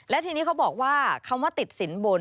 และทีนี้เขาบอกว่าคำว่าติดสินบน